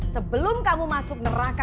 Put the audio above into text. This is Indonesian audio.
sebelum kamu masuk neraka